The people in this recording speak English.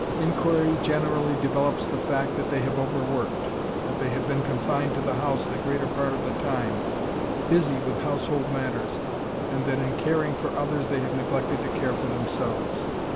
Inquiry generally develops the fact that they have overworked; that they have been confined to the house the greater part of the time, busy with household matters, and that in caring for others they have neglected to care for themselves.